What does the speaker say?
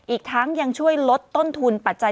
อีกทั้งยังช่วยลดต้นทุนปัจจัย